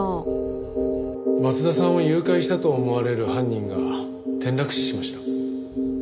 松田さんを誘拐したと思われる犯人が転落死しました。